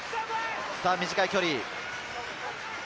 短い距離。